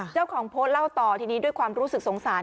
เจ้าของโพสต์เล่าต่อทีนี้ด้วยความรู้สึกสงสาร